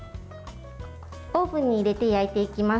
オーブンに入れて焼いていきます。